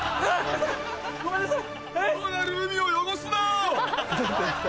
ごめんなさい。